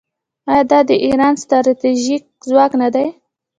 آیا دا د ایران ستراتیژیک ځواک نه دی؟